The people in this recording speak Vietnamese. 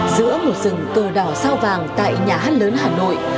giữa một rừng tờ đỏ sao vàng tại nhà hát lớn hà nội